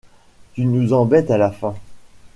Tu nous embêtes à la fin!